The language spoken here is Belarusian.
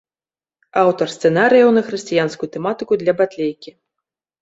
Аўтар сцэнарыяў на хрысціянскую тэматыку для батлейкі.